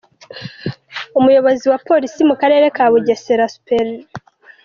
Umuyobozi wa polisi mu karere ka Bugesera, Supt.